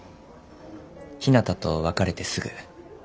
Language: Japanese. ひなたと別れてすぐ。